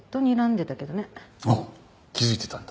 あっ気づいてたんだ。